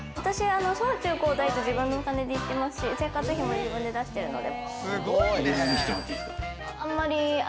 小中高大と自分のお金でいってますし、生活費も自分で出してるので。